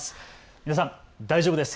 皆さん大丈夫です。